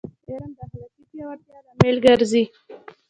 علم د اخلاقي پیاوړتیا لامل ګرځي.